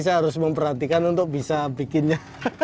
saya harus memperhatikan untuk bisa bikinnya